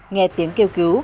nghe tiếng kêu cứu